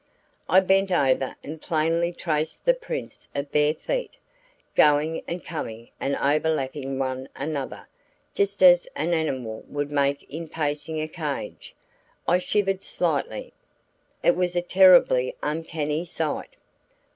I bent over and plainly traced the prints of bare feet, going and coming and over lapping one another, just as an animal would make in pacing a cage. I shivered slightly. It was a terribly uncanny sight.